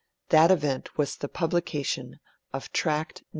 That event was the publication of Tract No.